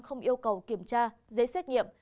không yêu cầu kiểm tra giấy xét nghiệm